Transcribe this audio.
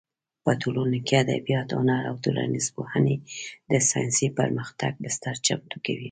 په ټولنو کې ادبیات، هنر او ټولنیزې پوهنې د ساینسي پرمختګ بستر چمتو کوي.